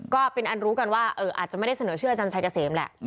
ก็เป็นอันรู้กันว่าอาจจะไม่ได้เสนอชื่ออาจารย์ชัยเกษมแหละ